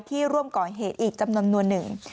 ร่วมก่อเหตุอีกจำนวนหนึ่ง